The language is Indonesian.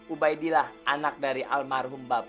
ubay dilah anak dari almarhum bapak amr